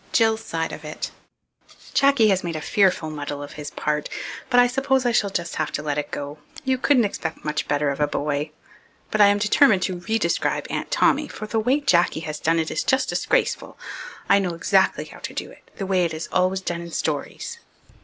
Jill's Side of It Jacky has made a fearful muddle of his part, but I suppose I shall just have to let it go. You couldn't expect much better of a boy. But I am determined to re describe Aunt Tommy, for the way Jacky has done it is just disgraceful. I know exactly how to do it, the way it is always done in stories.